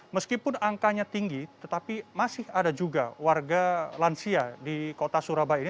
meskipun angkanya tinggi tetapi masih ada juga warga lansia di kota surabaya ini